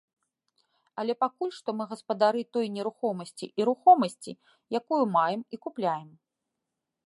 Але пакуль што мы гаспадары той нерухомасці і рухомасці, якую маем і купляем.